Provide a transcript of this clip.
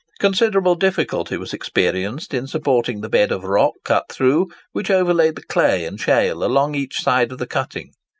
Considerable difficulty was experienced in supporting the bed of rock cut through, which overlaid the clay and shale along each side of the cutting.